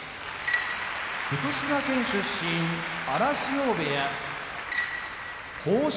福島県出身荒汐部屋豊昇